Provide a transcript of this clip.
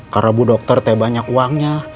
karena bu dokter teh banyak uangnya